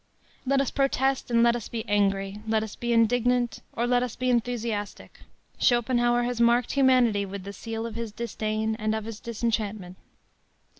Let us protest and let us be angry, let us be indignant, or let us be enthusiastic, Schopenhauer has marked humanity with the seal of his disdain and of his disenchantment.